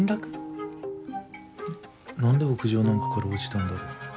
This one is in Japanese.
何で屋上なんかから落ちたんだろ？